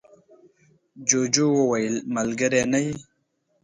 جوجو وویل ملگری نه یې.